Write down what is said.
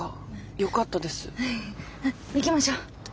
行きましょう。